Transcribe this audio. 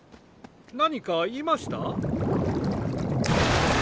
何か言いました？